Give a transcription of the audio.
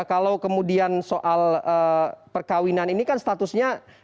kalau kemudian soal perkawinan ini kan statusnya